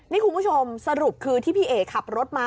นี่คุณผู้ชมสรุปคือที่พี่เอ๋ขับรถมา